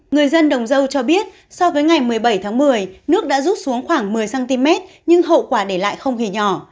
người dân đồng dâu cho biết so với ngày một mươi bảy tháng một mươi nước đã rút xuống khoảng một mươi cm nhưng hậu quả để lại không hề nhỏ